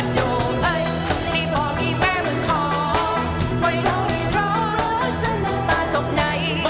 ตัวอันให้บอกให้แม่มันขอให้เราเติมร้อนสิ้นตาตกไหน